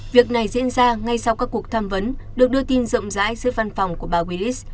việc này diễn ra ngay sau các cuộc tham vấn được đưa tin rộng rãi giữa văn phòng của bà willis